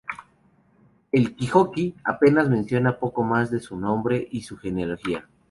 El "Kojiki" apenas menciona poco más que su nombre y genealogía.